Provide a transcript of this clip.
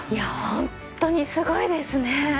本当にすごいですね。